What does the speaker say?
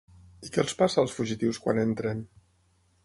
I què els passa, als fugitius, quan entren?